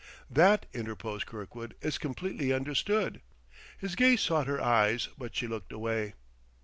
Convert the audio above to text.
"That," interposed Kirkwood, "is completely understood." His gaze sought her eyes, but she looked away.